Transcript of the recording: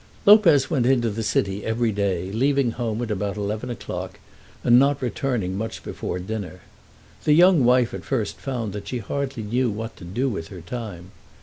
Lopez went into the city every day, leaving home at about eleven o'clock, and not returning much before dinner. The young wife at first found that she hardly knew what to do with her time.